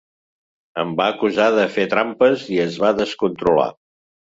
Em va acusar de fer trampes i es va descontrolar.